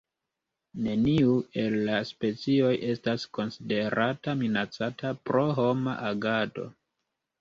Neniu el la specioj estas konsiderata minacata pro homa agado.